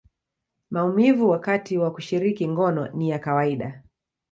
maumivu wakati wa kushiriki ngono ni ya kawaida.